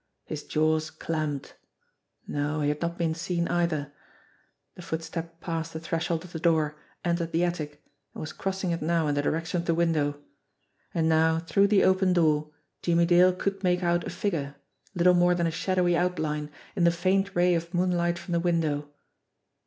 His jaws clamped. No, he had not been seen, either. The footstep passed the threshold of the door, entered the attic, and was crossing it now in the direction of the window. And now through the open door Jimmie Dale could make out a figure, little more than a shadowy outline, in the faint ray of moon light from the window.